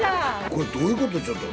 これ、どういうこと？